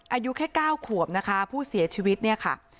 อายุแค่๙ขวบนะคะผู้เสียชีวิตเนี่ยค่ะ